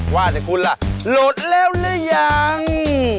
ว่าแต่คุณล่ะโหลดแล้วหรือยัง